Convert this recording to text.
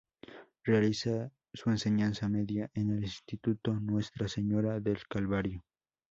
Realiza su enseñanza media en el "Instituto Nuestra Señora del Calvario".